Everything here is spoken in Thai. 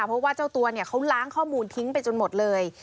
เพราะว่าเจ้าตัวเนี่ยเขาล้างข้อมูลทิ้งไปจนหมดเลย